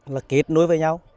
là kết nối với nhau